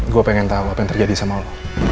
gue pengen tahu apa yang terjadi sama lo